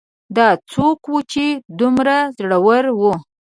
دا څوک و چې دومره زړور و